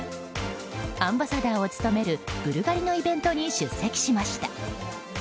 アンバサダーを務めるブルガリのイベントに出席しました。